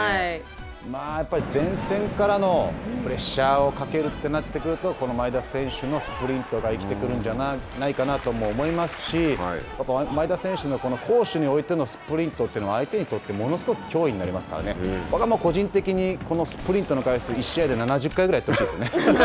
前線からのプレッシャーをかけるとなってくるとこの前田選手のスプリントが生きてくるんじゃないかと思いますし、前田選手の攻守に追いてのスプリントというのは相手にとってものすごく脅威になりますから、個人的にこのスプリントの回数１試合７０回ぐらいやってほしいですね。